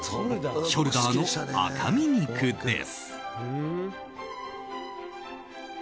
ショルダーの赤身肉です。